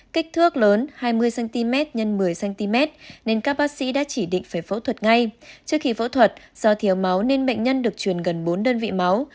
kích thước lớn hai mươi cm x một mươi cm nên các bác sĩ đã chỉ định phải phẫu thuật ngay trước khi phẫu thuật do thiếu máu nên bệnh nhân được truyền gần bốn đơn vị máu